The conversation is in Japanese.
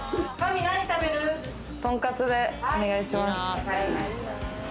とんかつでお願いします。